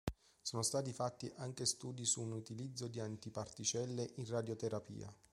Sono stati fatti anche studi su un utilizzo di antiparticelle in radioterapia.